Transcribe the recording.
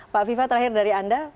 pak viva terakhir dari anda